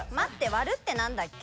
わるって何だっけ？